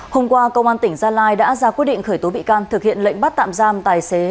hôm qua công an tỉnh gia lai đã ra quyết định khởi tố bị can thực hiện lệnh bắt tạm giam tài xế